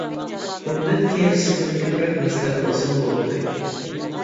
بۇندىن كېيىن سىزدىن كۆپرەك مەسلىھەت ئالسام بولغۇدەك.